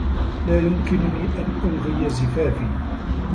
لا يمكنني أن ألغي زفافي.